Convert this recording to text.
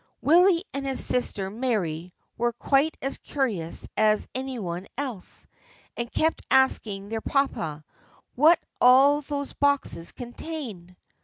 Willie and his sister Mary were quite as curious as any one else, and kept asking their papa what all those boxes contained.